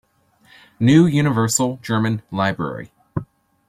New Universal German Library.